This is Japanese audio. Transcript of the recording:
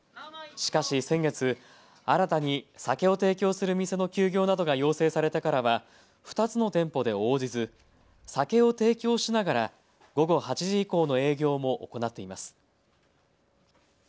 しかし先月、新たに酒を提供する店の休業などが要請されてからは２つの店舗で応じず酒を提供しながら午後８時以降の営業も行っています。